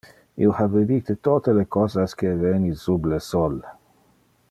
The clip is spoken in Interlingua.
Io ha vidite tote le cosas que eveni sub le sol!